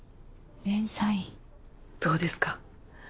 どうですか？